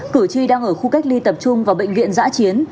cử tri đang ở khu cách ly tập trung vào bệnh viện giã chiến